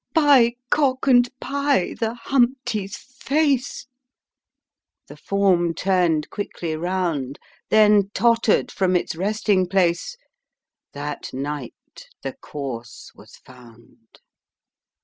By cock and pye, the Humpty's face !" The form turned quickly round; Then totter'd from its resting place â â¢ â¢ â¢ ' â¢ â¢ â¢ . That night the corse was found.